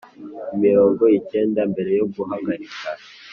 mirongo icyenda mbere yo guhakarika